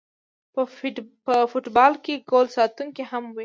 په فوټبال کې ګول ساتونکی هم وي